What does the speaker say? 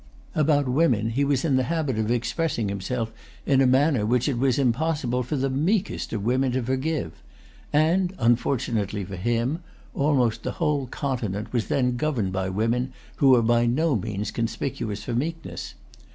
About women he was in the habit of expressing himself in a manner which it was impossible for the meekest of women to forgive; and, unfortunately for him, almost the whole Continent was then governed by women who were by no means conspicuous for meekness.